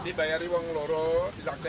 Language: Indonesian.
di tempat yang asli di jemaah